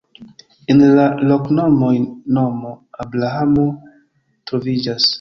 En la loknomoj nomo Abrahamo troviĝas.